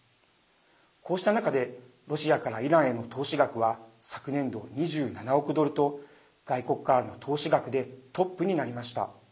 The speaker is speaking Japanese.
こうした中でロシアからイランへの投資額は昨年度、２７億ドルと外国からの投資額でトップになりました。